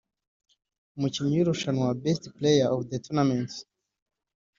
Umukinnyi w’irushanwa (Best Player of the Tournament)